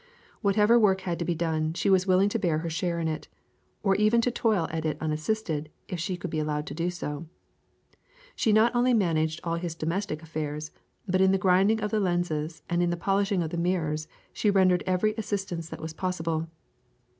Whatever work had to be done she was willing to bear her share in it, or even to toil at it unassisted if she could be allowed to do so. She not only managed all his domestic affairs, but in the grinding of the lenses and in the polishing of the mirrors she rendered every assistance that was possible.